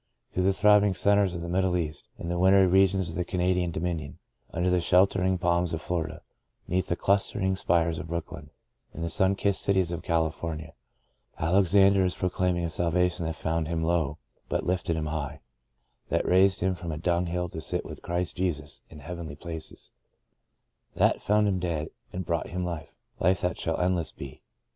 Through the throbbing centres of the Middle West; in the wintry regions of the Canadian Dominion ; under the sheltering palms of Florida ; 'neath the clustering spires of Brooklyn ; in the sun kissed cities of California, Alexander is pro claiming a salvation that found him low but lifted him high ; that raised him from a dung hill to sit with Christ Jesus in heavenly places ; that found him dead, and brought him life —" life that shall endless be."